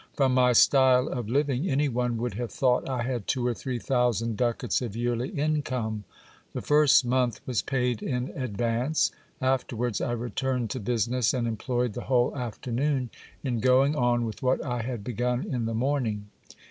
From my style of living, any one would have thought I had two or three thousand ducats of yearly income. The first month was paid in advance. Afterwards I returned to business, and employed the whole afternoon in going on with what I had begun in the morning.